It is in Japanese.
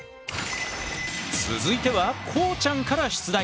続いてはこうちゃんから出題！